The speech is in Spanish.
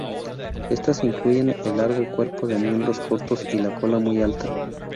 Estas incluyen el largo cuerpo, miembros cortos y la cola muy alta.